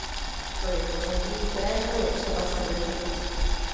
To je pořadí, kterého je třeba se držet.